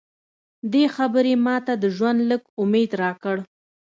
دې خبرې ماته د ژوند لږ امید راکړ